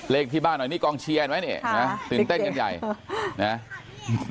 เลขที่บ้านหน่อยนี่กองเชียร์ไหมนี่ฮะตื่นเต้นกันใหญ่นะฮะ